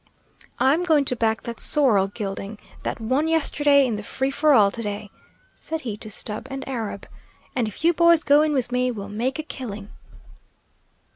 "I'm going to back that sorrel gelding, that won yesterday in the free for all to day," said he to Stubb and Arab, "and if you boys go in with me, we'll make a killing."